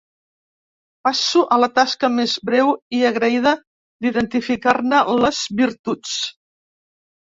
Passo a la tasca més breu i agraïda d'identificar-ne les virtuts.